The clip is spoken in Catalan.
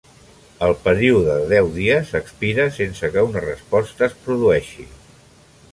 El període de deu dies expira, sense que una resposta es produeixi.